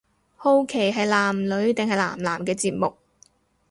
好奇係男女定係男男嘅節目